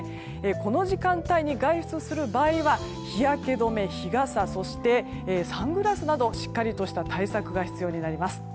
この時間帯に外出する場合は日焼け止め、日傘そしてサングラスなどしっかりとした対策が必要となります。